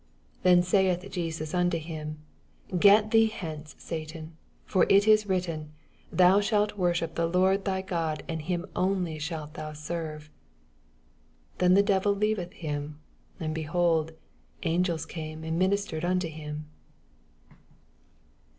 10 Then saith Jesus unto him^ Get thee hence, Satan : for it is written, Thou shalt worship the Lord thy God, and him only shall thou serve. 11 Then the devil leaveth him, and. behold^ angels came and ministerea unto him.